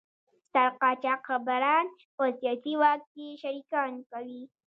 ستر قاچاقبران په سیاسي واک کې شریکان کوي.